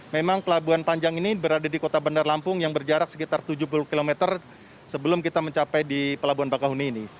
memang pelabuhan panjang ini berada di kota bandar lampung yang berjarak sekitar tujuh puluh km sebelum kita mencapai di pelabuhan bakahuni ini